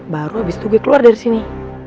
baru abis itu gue keluar dari sini